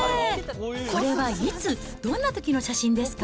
これはいつ、どんなときの写真ですか？